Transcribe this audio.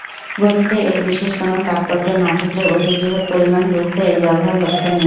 গণিতে এর বিশেষ কোনো তাৎপর্য না থাকলেও অতি বৃহৎ পরিমাণ বুঝাতে এর ব্যবহার লক্ষ্যণীয়।